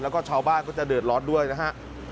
แล้วก็ชาวบ้านก็จะเดือดร้อนด้วยนะฮะ